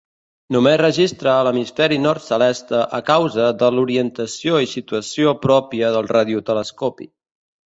Només registra l'hemisferi nord celeste a causa de l'orientació i situació pròpia del radiotelescopi.